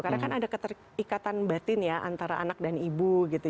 karena kan ada keterikatan batin ya antara anak dan ibu gitu